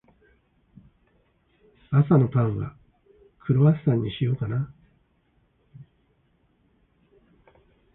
朝のパンは、クロワッサンにしようかな。